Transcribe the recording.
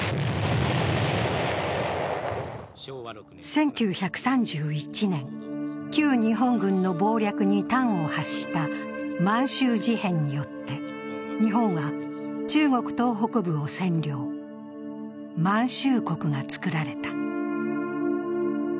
１９３１年、旧日本軍の謀略に端を発した満州事変によって日本は中国東北部を占領満州国がつくられた。